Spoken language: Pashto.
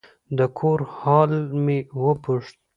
د کور حال مې وپوښت.